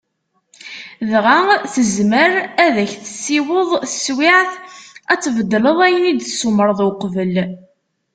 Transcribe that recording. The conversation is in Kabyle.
Dɣa, tezmer ad ak-tessiweḍ teswiɛt ad tbeddleḍ ayen i d-tsumreḍ uqbel.